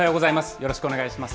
よろしくお願いします。